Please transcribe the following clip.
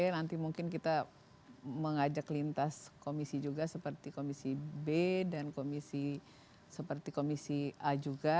nanti mungkin kita mengajak lintas komisi juga seperti komisi b dan komisi seperti komisi a juga